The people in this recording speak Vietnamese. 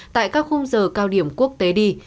tại các khung giờ cao điểm quốc tế đi